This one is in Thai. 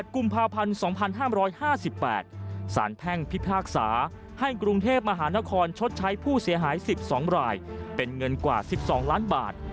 กุมภาพันธ์๒๕๕๘สารแพ่งพิพากษาให้กรุงเทพมหานครชดใช้ผู้เสียหาย๑๒รายเป็นเงินกว่า๑๒ล้านบาท